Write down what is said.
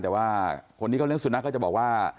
แต่ว่าคนที่เขาเลี้ยสุนัขเขาจะบอกว่า